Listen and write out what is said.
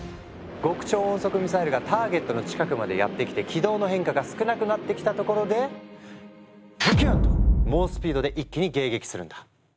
極超音速ミサイルがターゲットの近くまでやって来て軌道の変化が少なくなってきたところでズキューン！と猛スピードで一気に迎撃するんだ。